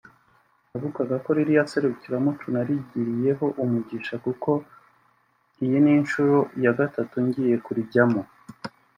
navuga ko ririya serukiramuco narigiriyeho umugisha ukomeye kuko iyi ni inshuro ya gatatu ngiye kurijyamo